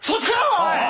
おい！